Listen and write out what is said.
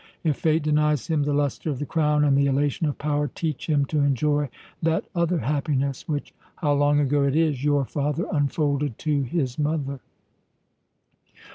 If Fate denies him the lustre of the crown and the elation of power, teach him to enjoy that other happiness, which how long ago it is! your father unfolded to his mother."